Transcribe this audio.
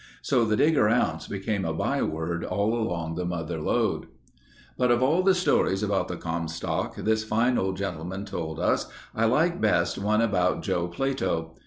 So the Digger Ounce became a byword all along the Mother Lode." But of all the stories about the Comstock this fine old gentleman told us, I like best one about Joe Plato.